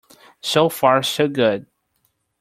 So far so good.